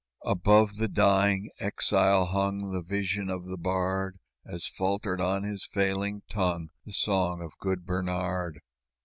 Above the dying exile hung The vision of the bard, As faltered on his failing tongue The song of good Bernard.